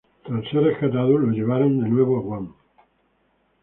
Tras ser rescatado fue llevado de nuevo a Guam.